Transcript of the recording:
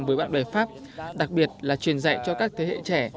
với bạn bè pháp đặc biệt là truyền dạy cho các thế hệ trẻ